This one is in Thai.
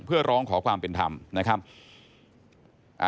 เพื่อร้องขอความเป็นธรรมนะครับ